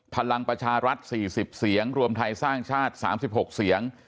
พลังประชารัฐ๔๐เสียงรวมไทยสร้างชาติ๓๖เสียง